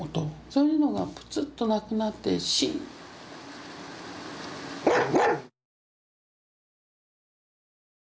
そういうのがプツッとなくなってシーン。